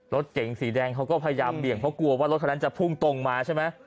รถเก๋งสีแดงเขาก็พยายามเบี่ยงเพราะกลัวว่ารถคันนั้นจะพุ่งตรงมาใช่ไหม